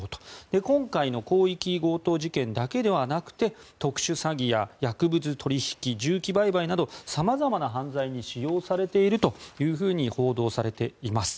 今回の広域強盗事件だけではなくて特殊詐欺や薬物取引銃器売買などさまざまな犯罪に使用されているというふうに報道されています。